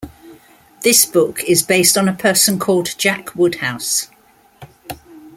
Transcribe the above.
This book is based on a person called Jack Woodhouse.